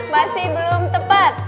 masih belum tepat